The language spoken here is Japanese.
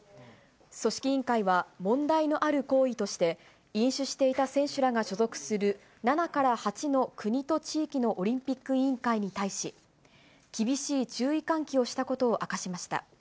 組織委員会は問題のある行為として、飲酒していた選手らが所属する７から８の国と地域のオリンピック委員会に対し、厳しい注意喚起をしたことを明かしました。